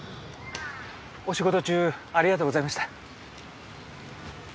お仕事中ありがとうございました。